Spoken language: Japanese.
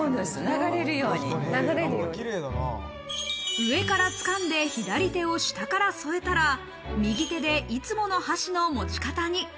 上からつかんで、左手を下から添えたら、右手でいつもの箸の持ち方に。